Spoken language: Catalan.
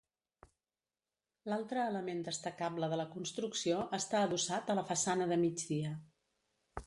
L'altre element destacable de la construcció està adossat a la façana de migdia.